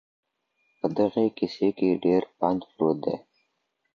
په دغي کیسې کي ډېر پند پروت دی.